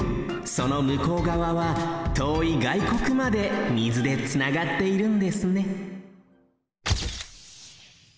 その向こうがわはとおいがいこくまで水でつながっているんですね